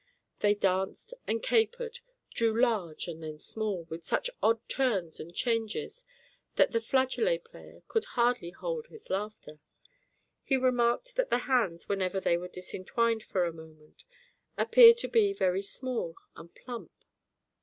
They danced and capered, grew large and then small, with such odd turns and changes that the flageolet player could hardly hold his laughter. He remarked that the hands, whenever they were disentwined for a moment, appeared to be very small and plump.